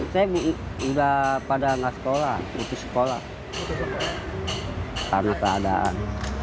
saya sudah pada tidak sekolah berhenti sekolah karena keadaan